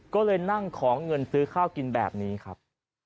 ก็เลยนั่งขอเงินซื้อข้าวกินแบบนี้ครับ